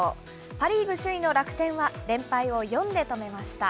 パ・リーグ首位の楽天は連敗を４で止めました。